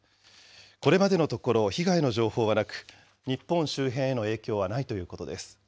これまでのところ、被害の情報はなく、日本周辺への影響はないということです。